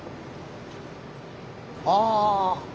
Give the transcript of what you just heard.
ああ。